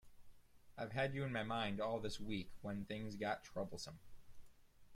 I’ve had you in my mind all this week when things got troublesome.